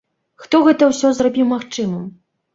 Хто гэта ўсё зрабіў магчымым?